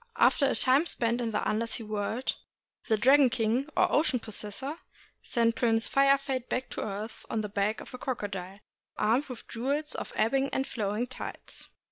After a time spent in the under sea world, the Dragon King, or Ocean Possessor, sent Prince Fire Fade back to earth on the back of a crocodile, armed with the jewels of the ebbing and flow ing tides.